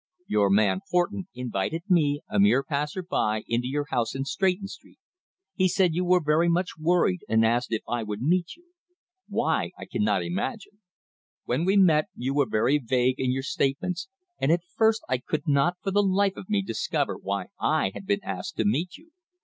"Your man, Horton, invited me, a mere passer by, into your house in Stretton Street. He said you were very much worried and asked if I would meet you. Why? I cannot imagine. When we met you were very vague in your statements, and at first I could not for the life of me discover why I had been asked to meet you.